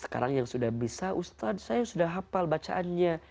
sekarang yang sudah bisa ustadz saya sudah hafal bacaannya